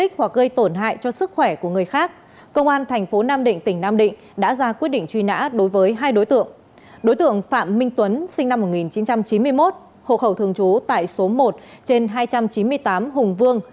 đối tượng phạm minh tuấn sinh năm một nghìn chín trăm chín mươi một hộ khẩu thường trú tại số một trên hai trăm chín mươi tám hùng vương